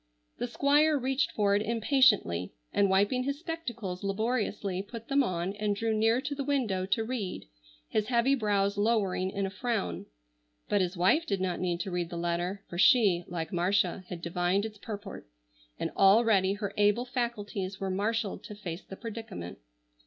The Squire reached for it impatiently, and wiping his spectacles laboriously put them on and drew near to the window to read, his heavy brows lowering in a frown. But his wife did not need to read the letter, for she, like Marcia, had divined its purport, and already her able faculties were marshalled to face the predicament.